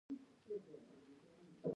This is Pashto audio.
څو نورې تور سرې راورسېدې.